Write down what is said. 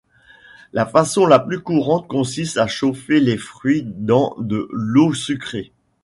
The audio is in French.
La façon la plus courante consiste à chauffer les fruits dans de l'eau sucrée.